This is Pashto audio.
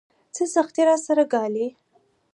څه سختۍ راسره ګالي.